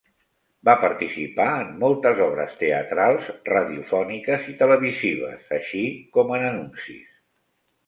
Va participar en moltes obres teatrals, radiofòniques i televisives, així com en anuncis.